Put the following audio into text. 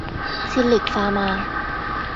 ซิลลิคฟาร์มา